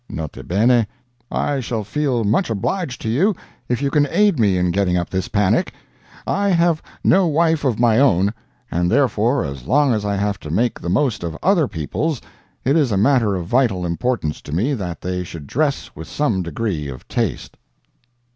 N. B.—I shall feel much obliged to you if you can aid me in getting up this panic. I have no wife of my own and therefore as long as I have to make the most of other people's it is a matter of vital importance to me that they should dress with some degree of taste.